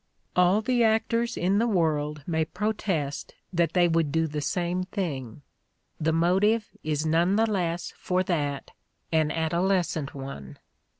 All the actors in the world may protest that they would do the same thing: the motive is none the less for that an adolescent one.